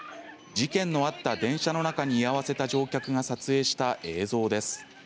事件のあった電車の中に居合わせた乗客が撮影した映像です。